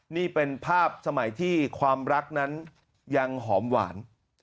นี่เป็นภาพสมัยที่ความรักนั้นยังหอมหวาน